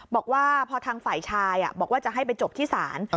บอกว่าพอทางฝ่ายชายบอกว่าจะให้ไปจบที่ศาล